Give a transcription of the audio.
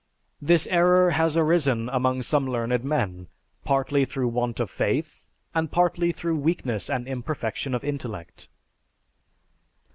This error has arisen among some learned men, partly through want of faith, and partly through weakness and imperfection of intellect."